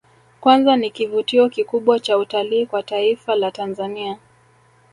Kwanza ni kivutio kikubwa cha utalii kwa taifa la Tanzania